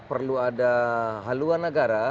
perlu ada haluan negara